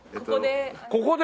ここで。